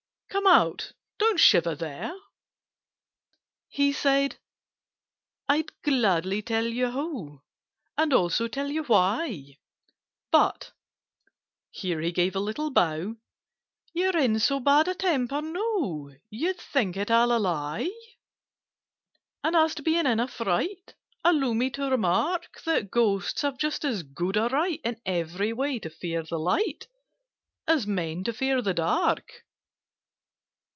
Come out! Don't shiver there!" He said "I'd gladly tell you how, And also tell you why; But" (here he gave a little bow) "You're in so bad a temper now, You'd think it all a lie. "And as to being in a fright, Allow me to remark That Ghosts have just as good a right In every way, to fear the light, As Men to fear the dark."